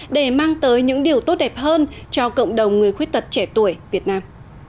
để mang tới những điều tốt đẹp hơn cho cộng đồng người khuyết tật trẻ tuổi việt nam